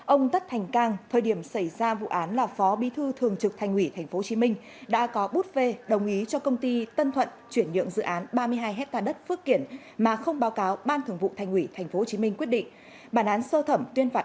ông tất thành cang thời điểm xảy ra vụ án là phó bi thư thường trực thành ủy tp hcm đã có bút phê đồng ý cho công ty tân thuận chuyển nhượng dự án ba mươi hai hectare đất